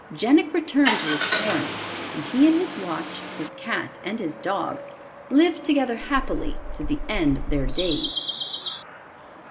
Jenik returned to his parents, and he and his watch, his cat and his dog, lived together happily to the end of their days.